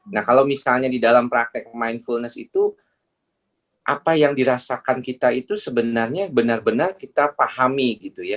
nah kalau misalnya di dalam praktek mindfulness itu apa yang dirasakan kita itu sebenarnya benar benar kita pahami gitu ya